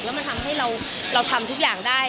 แล้วมันทำให้เราทำทุกอย่างได้